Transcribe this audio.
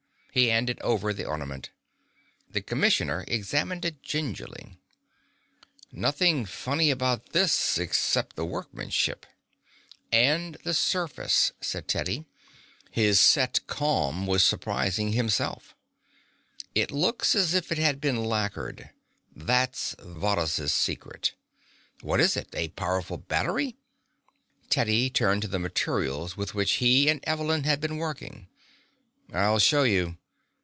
He handed over the ornament. The commissioner examined it gingerly. "Nothing funny about this except the workmanship." "And the surface," said Teddy. His set calm was surprising himself. "It looks as if it had been lacquered. That's Varrhus' secret." "What is it? A powerful battery?" Teddy turned to the materials with which he and Evelyn had been working. "I'll show you.